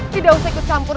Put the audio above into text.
tidak usah ikut campur